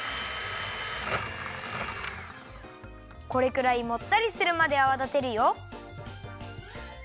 これくらいもったりするまであわだてるよ。